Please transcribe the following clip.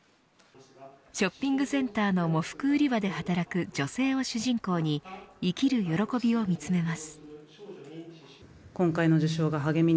ショッピングセンターの喪服売り場で働く女性を主人公に生きる喜びを見つめます。